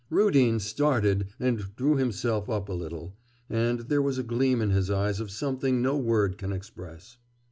Rudin started and drew himself up a little, and there was a gleam in his eyes of something no word can express.